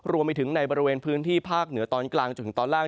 รวมไปถึงในบริเวณพื้นที่ภาคเหนือตอนกลางจนถึงตอนล่าง